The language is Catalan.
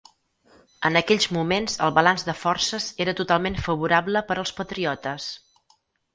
En aquells moments el balanç de forces era totalment favorable per als patriotes.